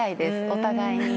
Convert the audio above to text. お互いに。